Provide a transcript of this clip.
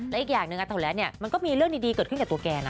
และอีกอย่างหนึ่งเท่านั้นเนี่ยมันก็มีเรื่องดีเกิดขึ้นกับตัวแกนะ